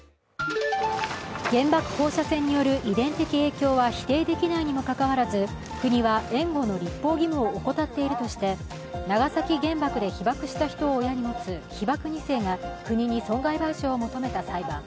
原爆放射線による遺伝的影響は否定できないにもかかわらず国は援護の立法義務を怠っているとして、長崎原爆で被爆した人を親に持つ被爆二世が国に損害賠償を求めた裁判。